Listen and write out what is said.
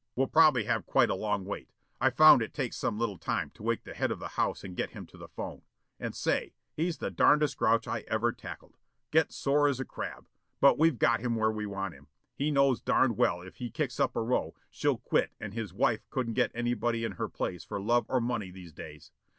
We'll probably have quite a long wait. I've found it takes some little time to wake the head of the house and get him to the 'phone. And say, he's the darndest grouch I've ever tackled. Get's sore as a crab. But we've got him where we want him. He knows darned well if he kicks up a row, she'll quit and his wife couldn't get anybody in her place for love or money these days.